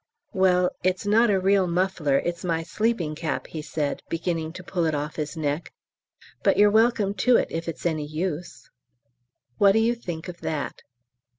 "Well, it's not a real muffler; it's my sleeping cap," he said, beginning to pull it off his neck; "but you're welcome to it if it's any use!" What do you think of that?